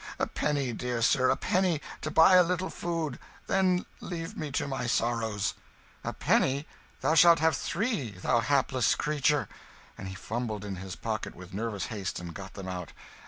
A penny, dear sir, a penny, to buy a little food; then leave me to my sorrows." "A penny! thou shalt have three, thou hapless creature," and he fumbled in his pocket with nervous haste and got them out.